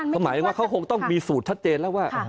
คือหมายความว่าเขาคงต้องมีสูตรจฉัดเจนแล้วว่า